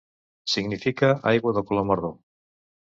Significa aigua de color marró.